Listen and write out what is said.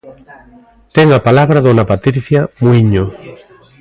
Ten a palabra dona Patricia Muíño.